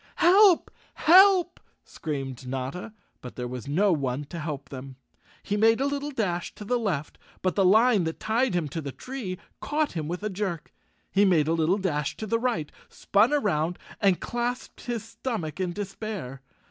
"Help! Help!" screamed Notta, but there was no one to help them. He made a little dash to the left, but the line that tied him to the tree caught him with a jerk. He made a little dash to the right, spun around and clasped his stomach in despair.